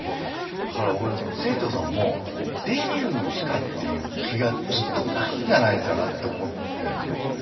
だから俺清張さんもデビューしたっていう気がずっとないんじゃないかなって思ってるんですよ。